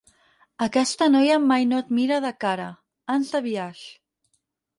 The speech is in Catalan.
Aquesta noia mai no et mira de cara, ans de biaix.